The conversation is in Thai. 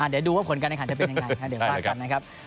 เดี๋ยวดูว่าผลการแข่งขันจะเป็นยังไงเดี๋ยวว่ากันนะครับ